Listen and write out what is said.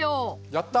やった！